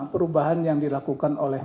perubahan yang dilakukan oleh